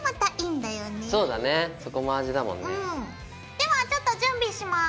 ではちょっと準備します。